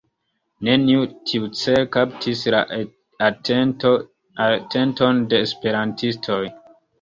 Neniu tiucele kaptis la atenton de esperantistoj.